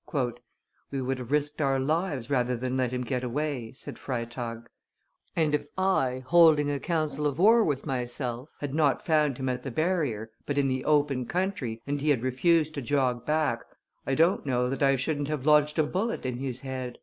"We would have risked our lives rather than let him get away," said Freytag; "and if I, holding a council of war with myself, had not found him at the barrier, but in the open country, and he had refused to jog back, I don't know that I shouldn't have lodged a bullet in his head.